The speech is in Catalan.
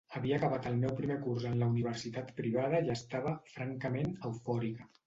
Havia acabat el meu primer curs en la universitat privada i estava, francament, eufòrica.